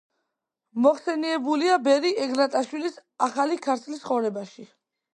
მოხსენიებულია ბერი ეგნატაშვილის „ახალი ქართლის ცხოვრებაში“.